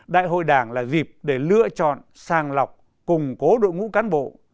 đại hội đảng là dịp để lựa chọn sàng lọc củng cố đội ngũ cán bộ